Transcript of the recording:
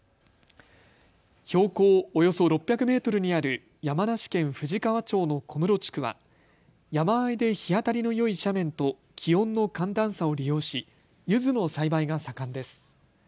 標高およそ６００メートルにある山梨県富士川町の小室地区は山あいで日当たりのよい斜面と気温の寒暖差を利用し、ゆずの栽培が盛んです。